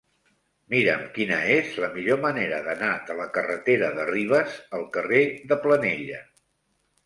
Mira'm quina és la millor manera d'anar de la carretera de Ribes al carrer de Planella.